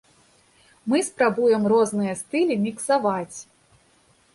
Мы спрабуем розныя стылі міксаваць.